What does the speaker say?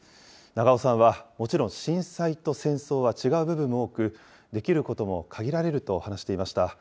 長尾さんは、もちろん震災と戦争は違う部分も多く、できることも限られると話していました。